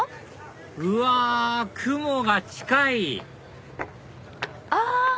うわ雲が近い！